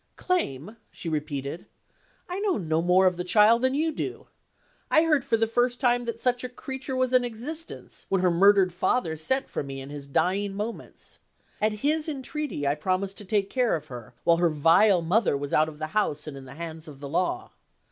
"Claim?" she repeated. "I know no more of the child than you do. I heard for the first time that such a creature was in existence, when her murdered father sent for me in his dying moments. At his entreaty I promised to take care of her, while her vile mother was out of the house and in the hands of the law.